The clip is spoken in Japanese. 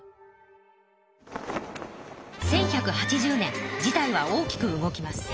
１１８０年事態は大きく動きます。